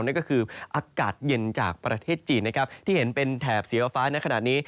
นั่นก็คืออากาศเย็นจากประเทศจีนนะครับที่เห็นเป็นแถบสีฟ้าในขณะนี้